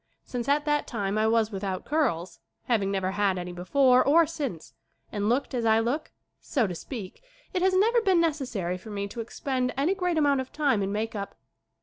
Since at that time I was without curls, having never had any before or since, and looked as I look, so to speak, it has never been necessary for me to expend any great amount of time in make up.